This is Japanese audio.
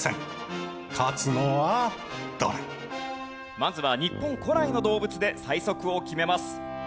まずは日本古来の動物で最速を決めます。